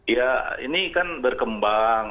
ya ini kan berkembang